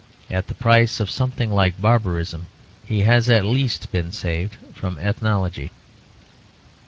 At the price of something like barbarism, he has at least been saved from ethnology.